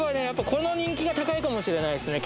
この人気が高いかもしれないですね